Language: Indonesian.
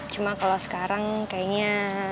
cuma kalau sekarang kayaknya